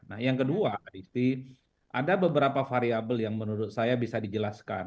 nah yang kedua ada beberapa variable yang menurut saya bisa dijelaskan